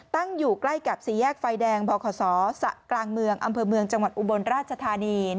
ตั้งอยู่ใกล้กับสี่แยกไฟแดงบขศสกลางเมืองอำเภอเมืองจังหวัดอุบลราชธานี